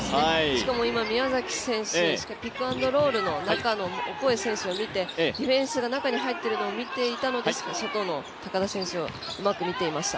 しかも宮崎選手ピックアンドロールの中のオコエ選手を見てディフェンスが中に入っているのを見たのか、外の高田選手をうまく見ていました。